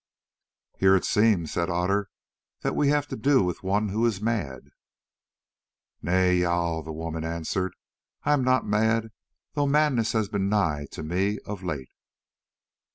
"Here it seems," said Otter, "that we have to do with one who is mad." "Nay, Jâl," the woman answered, "I am not mad, though madness has been nigh to me of late."